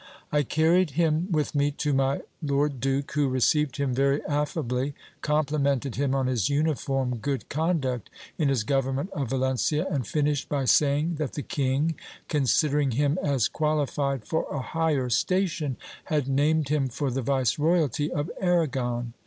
I carried him with me to my lord duke, who received him very affably, complimented him on his uniform good conduct in his government of Valencia, and finished by saying that the king, considering him as qualified for a higher station, had named him for the viceroyalty of Arragon.